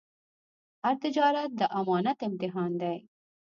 هر تجارت د امانت امتحان دی.